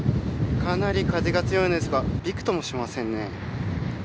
かなり風が強いのですがびくともしませんね。